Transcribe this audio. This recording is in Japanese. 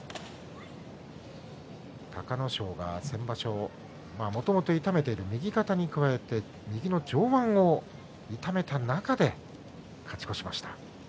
隆の勝は先場所、もともと痛めていた右肩に加えて右の上腕を痛めた中で勝ち越しました。